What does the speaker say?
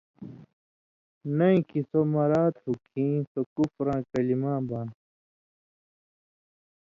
نَیں کھیں سو مَرا تھُو کھیں سو کُفراں کلیۡماں بان